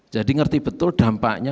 jadi ngerti betul dampaknya